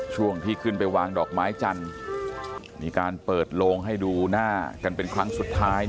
ช่วงที่ขึ้นไปวางดอกไม้จันทร์มีการเปิดโลงให้ดูหน้ากันเป็นครั้งสุดท้าย